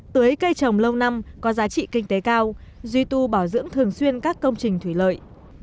tưới cây trồng lâu năm có giá trị kinh tế cao duy tu bảo dưỡng thường xuyên các công trình thủy lợi